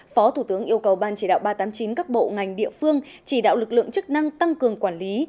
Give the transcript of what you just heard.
phó thủ tướng yêu cầu ban chỉ đạo ba trăm tám mươi chín các bộ ngành địa phương chỉ đạo lực lượng chức năng tăng cường quản lý